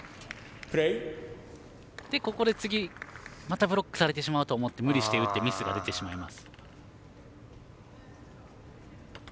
ここで次ブロックされると思って無理して打ってミスが出てしまいます。